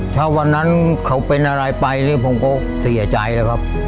ถ้าวันนั้นเขาเป็นอะไรไปผมก็เสียใจครับ